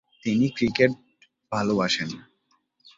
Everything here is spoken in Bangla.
তিনি ক্রিকেট ভালবাসেন।